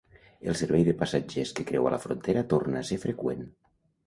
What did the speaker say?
El servei de passatgers que creua la frontera torna a ser freqüent.